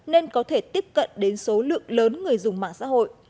nên có thể tiếp cận đến số lượng lớn người dùng mạng xã hội